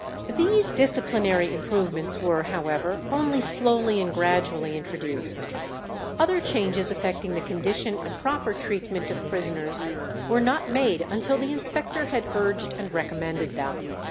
These disciplinary improvements were, however, only slowly and gradually introduced. Other changes affecting the condition and proper treatment of prisoners were not made until the inspector had urged and recommended them.